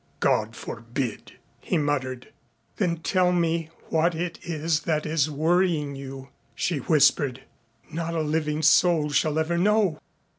"God forbid," he muttered. "Then tell me what it is that is worrying you," she whispered. "Not a living soul shall ever know.